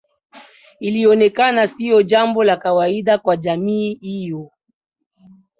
Ilionekana sio jambo la kawaida kwa jamii hiyo